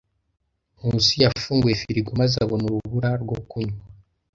Nkusi yafunguye firigo maze abona urubura rwo kunywa.